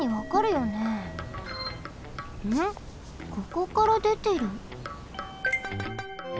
ここからでてる？